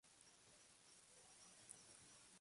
Queda viuda.